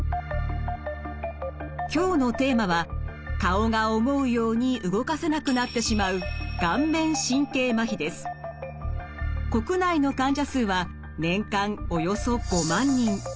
今日のテーマは顔が思うように動かせなくなってしまう国内の患者数は年間およそ５万人。